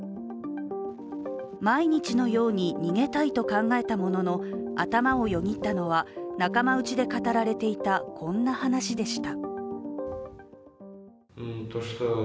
毎日のように逃げたいと考えたものの頭をよぎったのは仲間内で語られていた、こんな話でした。